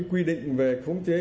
cái quy định về khống chế